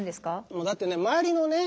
もうだってね周りのね